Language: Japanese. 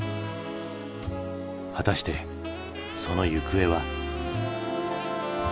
果たしてその行方は？